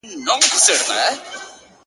د مجسمې انځور هر ځای ځوړند ښکاري,